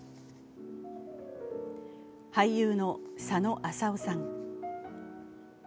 俳優の佐野浅夫さん。